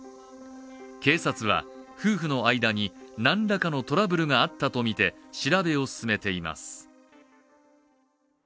警察は夫婦の間に何らかのトラブルがあったとみて調べを進めています。